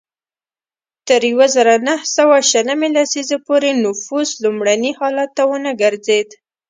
تر یوه زرو نهه سوه شلمې لسیزې پورې نفوس لومړني حالت ته ونه ګرځېد.